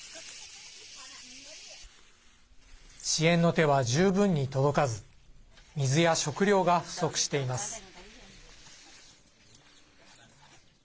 支援の手は十分に届かず水や食料が不足しています。